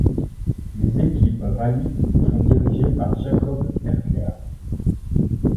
Les équipes Rally sont dirigées par Jacob Erker.